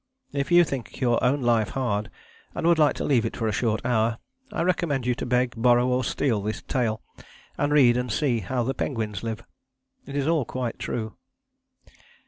If you think your own life hard, and would like to leave it for a short hour I recommend you to beg, borrow or steal this tale, and read and see how the penguins live. It is all quite true.